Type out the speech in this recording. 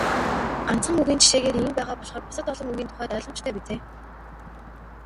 Ганцхан үгийн жишээгээр ийм байгаа болохоор бусад олон үгийн тухайд ойлгомжтой биз ээ.